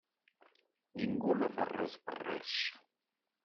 Ningú no fa res per res.